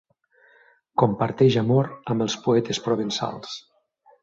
Comparteix amor amb els poetes provençals.